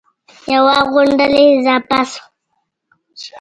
یوه غونډله اضافه شوه